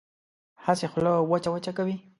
هسې خوله وچه وچه کوي.